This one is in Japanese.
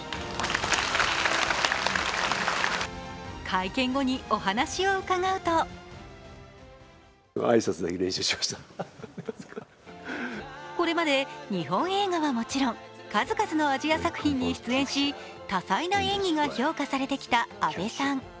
会見後にお話を伺うとこれまで日本映画はもちろん数々のアジア作品に出演し多彩な演技が評価されてきた阿部さん。